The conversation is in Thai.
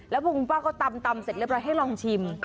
แล้วพอคุณป้าก็ตำเสร็จเรียบร้อยให้ลองชิม